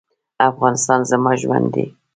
افغانستان زما ژوند دی؟